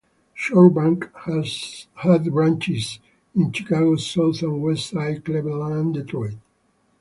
ShoreBank had branches in Chicago's South and West sides, Cleveland, and Detroit.